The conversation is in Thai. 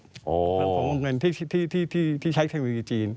ของเงินที่ใช้เทคโนโลยีจีน